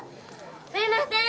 すいません